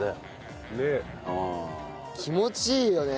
気持ちいいよね。